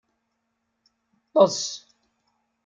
Ṭṭes.